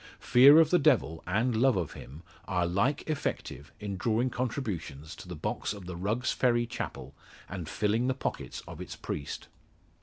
Fear of the Devil, and love of him, are like effective in drawing contributions to the box of the Rugg's Ferry chapel, and filling the pockets of its priest.